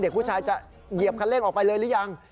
ผู้ชายจะเหยียบคันเร่งออกไปเลยหรือยัง